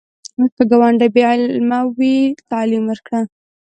که ګاونډی بې علمه وي، تعلیم ورکړه